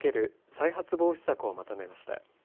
再発防止策をまとめました。